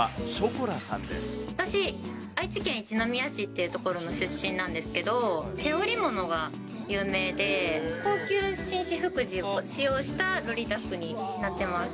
私、愛知県一宮市っていう所の出身なんですけど、毛織物が有名で、高級紳士服地を使用したロリータ服になってます。